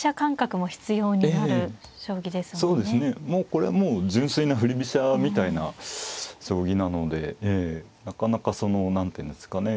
これはもう純粋な振り飛車みたいな将棋なのでなかなかその何ていうんですかね